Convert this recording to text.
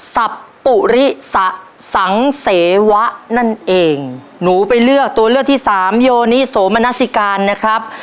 สับปุริสะสังเสวะนั่นเองหนูไปเลือกตัวเลือกที่สามโยนิโสมณสิการนะครับ